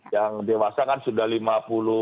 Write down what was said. yang dewasa kan sudah sembilan puluh enam ya